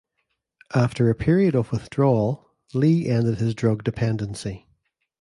After a period of withdrawal, Lee ended his drug dependency.